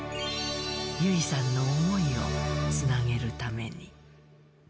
優生さんの思いをつなげるために。